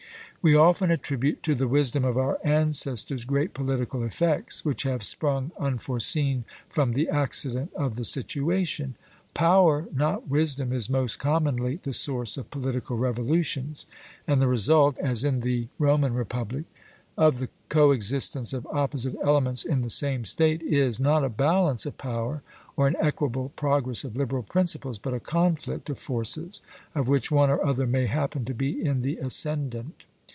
We often attribute to the wisdom of our ancestors great political effects which have sprung unforeseen from the accident of the situation. Power, not wisdom, is most commonly the source of political revolutions. And the result, as in the Roman Republic, of the co existence of opposite elements in the same state is, not a balance of power or an equable progress of liberal principles, but a conflict of forces, of which one or other may happen to be in the ascendant.